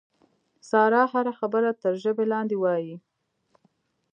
ساره هره خبره تر ژبې لاندې وایي.